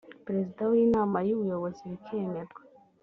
perezida w inama y ubuyobozi bikemerwa